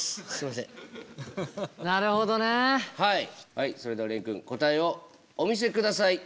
はいそれでは廉くん答えをお見せください。